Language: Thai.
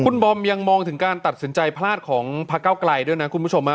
คุณบอมยังมองถึงการตัดสินใจพลาดของพระเก้าไกลด้วยนะคุณผู้ชม